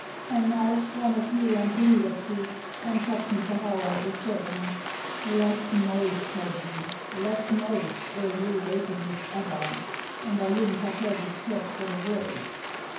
And now, one of you run to Wheeler Street, and fetch Mr. Howell, the surgeon. Less noise, Peggy less noise, or you'll waken Miss Ebba, and I wouldn't have her disturbed for the world."